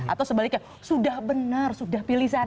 atau sebaliknya sudah benar sudah pilih sana